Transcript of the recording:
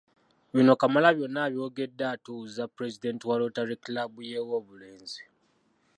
Bino Kamalabyonna abyogedde atuuza Pulezidenti wa Rotary Club y’e Woobulenzi.